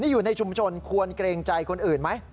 อยู่ในชุมชนควรเกรงใจคนอื่นไหม